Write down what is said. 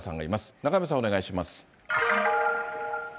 中山さん、お願いします。